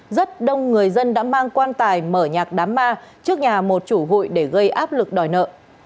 rất đông người dân đã mang quan tài mở nhạc đám ma trước nhà một chủ hụi để gây áp lực đòi nợ